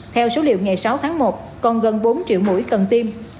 theo số liệu ngày sáu tháng một còn gần bốn triệu mũi cần tiêm